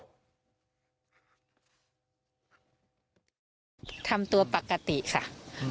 ทำตัวปกติค่ะ